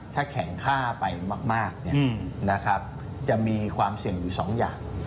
ถ้าแข็งค่าไปมากจะมีความเสี่ยงอยู่๒อย่าง